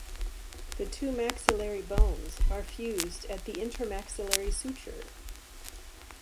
The two maxillary bones are fused at the intermaxillary suture.